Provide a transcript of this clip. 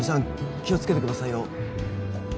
気をつけてくださいよ